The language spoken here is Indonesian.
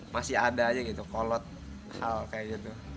masih ada aja gitu kolot hal kayak gitu